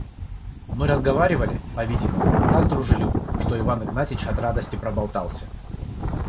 Мы разговаривали, по-видимому, так дружелюбно, что Иван Игнатьич от радости проболтался.